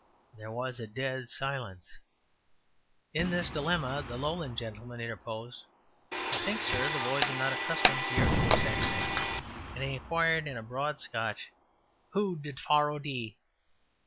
'' There was a dead silence. In this dilemma the Lowland gentleman interposed. ``I think, sir, the boys are not accustomed to your English accent,'' and inquired in broad Scotch, ``Hoo did Phawraoh dee?''